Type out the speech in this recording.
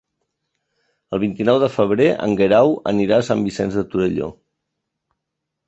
El vint-i-nou de febrer en Guerau anirà a Sant Vicenç de Torelló.